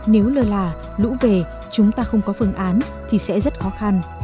nếu lơ là lũ về chúng ta không có phương án thì sẽ rất khó khăn